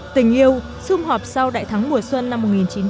tình yêu xung họp sau đại thắng mùa xuân năm một nghìn chín trăm bảy mươi